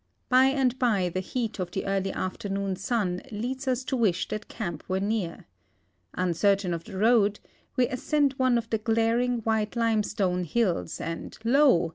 By and by the heat of the early afternoon sun leads us to wish that camp were near. Uncertain of the road, we ascend one of the glaring, white limestone hills, and lo !